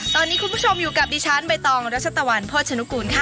ตอนนี้คุณผู้ชมอยู่กับดิฉันใบตองรัชตะวันโภชนุกูลค่ะ